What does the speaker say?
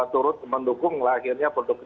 turut mendukung lahirnya produk